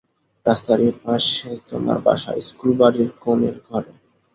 রাস্তার এপাশে তোমার বাসা, ইস্কুলবাড়ির কোণের ঘরে।